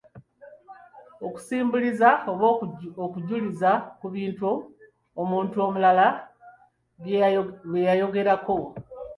Okusimbuliza oba okujuliza ku bintu omuntu omulala bye yayogerako.